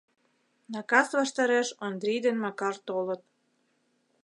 Накас ваштареш Ондрий ден Макар толыт.